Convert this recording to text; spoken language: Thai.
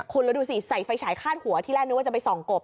คุณแล้วดูสิใส่ไฟฉายคาดหัวที่แรกนึกว่าจะไปส่องกบ